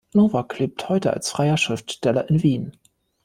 Nowak lebt heute als freier Schriftsteller in Wien.